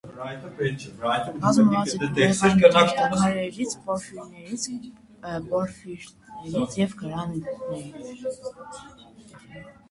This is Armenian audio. Կազմված է բյուրեղային թերթաքարերից, պորֆիրներից, պորֆիրիտներից և գրանիտներից։